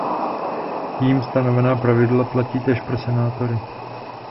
Jím stanovená pravidla platí též pro senátory.